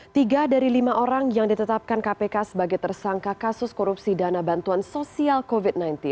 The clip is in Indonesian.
tiga dari lima orang yang ditetapkan kpk sebagai tersangka kasus korupsi dana bantuan sosial covid sembilan belas